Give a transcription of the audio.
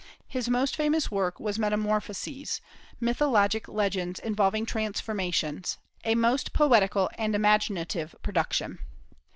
His most famous work was his "Metamorphoses," mythologic legends involving transformations, a most poetical and imaginative production.